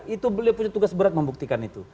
itu beliau punya tugas berat membuktikan itu